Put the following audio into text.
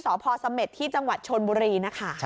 ติดต่อไปได้ที่สสเมษจังหวัดชนบุรี